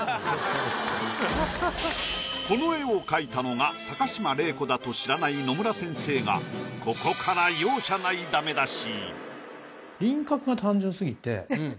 この絵を描いたのが高島礼子だと知らない野村先生がここから容赦ないダメ出し。